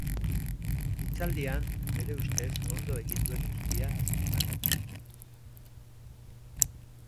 Hitzaldian bere ustez ondo egin duen guztia azpimarratu zuen.